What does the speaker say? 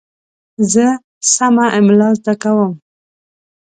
زه سمه املا زده کوم.